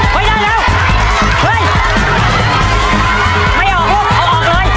เฮ้ยได้แล้วฮึ้ยไม่ออกแล้วออกออกเลย